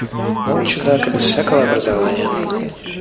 Но он чудак и без всякого образования.